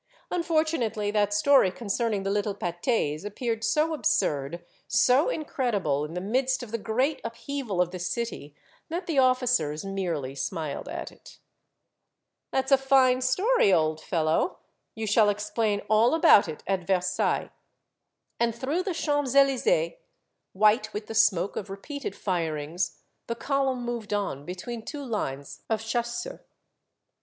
Unfortunately, that story concerning the little pat^s appeared so ab surd, so incredible, in the midst of the great upheaval of the city, that the officers merely smiled at it. The Little Pates, 183 " That *s a fine story, old fellow. You shall ex plain all about it at Versailles." And through the Champs Elys^es, white with the smoke of repeated firings, the column moved on between two lines of chasseurs.